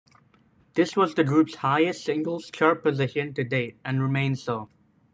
This was the group's highest singles chart position to date and remains so.